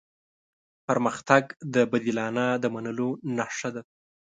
پرمختګ د بدلانه د منلو نښه ده.